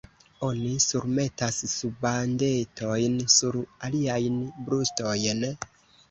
Oni surmetas rubandetojn sur iliajn brustojn?